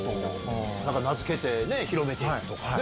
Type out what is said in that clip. なんか名付けて、広めていくとかね。